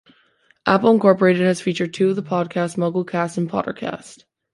Apple Incorporated has featured two of the podcasts, MuggleCast and PotterCast.